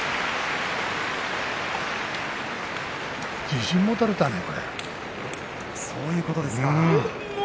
自信持たれたねそういうことですか。